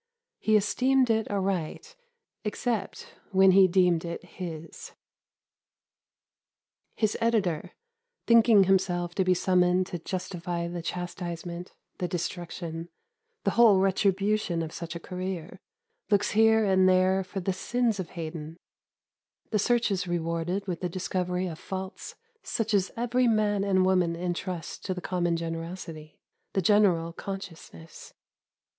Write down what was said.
He esteemed it aright, except when he deemed it his. His editor, thinking himself to be summoned to justify the chastisement, the destruction, the whole retribution of such a career, looks here and there for the sins of Haydon; the search is rewarded with the discovery of faults such as every man and woman entrusts to the common generosity, the general consciousness.